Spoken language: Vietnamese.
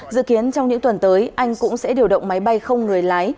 dự kiến trong những tuần tới anh cũng sẽ điều động máy bay không người lái